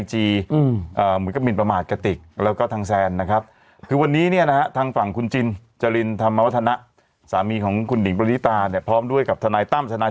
ใช่ใช่โอเคพักสักครู่เดี๋ยวช่วงหน้ากลับมา